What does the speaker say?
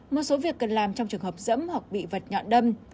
một số việc cần làm trong trường hợp dẫm hoặc bị vật nhọn đâm